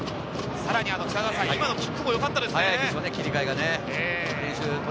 さらに今のキックもよかったですね。